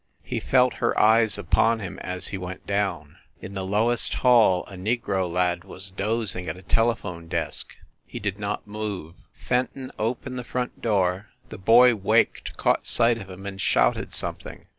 He felt her eyes upon him as he went down. In the lowest hall a negro lad was dozing at a telephone desk. He did not move. Fen ton opened the front door; the boy waked, caught sight of him and shouted something.